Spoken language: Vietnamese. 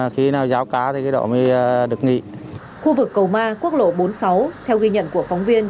khu vực cầu ma quốc lộ bốn mươi sáu theo ghi nhận của phóng viên